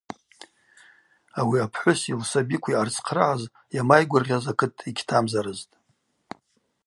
Ауи апхӏвыси лсабикви йъарцхърыгӏаз йамайгвыргъьаз акыт йгьтамзарызтӏ.